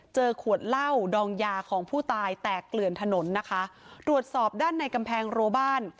ขวดเหล้าดองยาของผู้ตายแตกเกลื่อนถนนนะคะตรวจสอบด้านในกำแพงรัวบ้าน